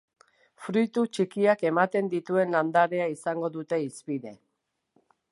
Fruitu txikiak ematen dituen landarea izango dute hizpide.